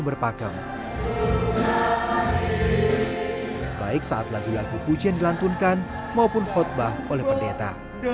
berpakem baik saat lagu lagu puji yang dilantunkan maupun khutbah oleh pendeta